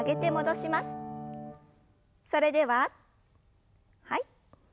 それでははい。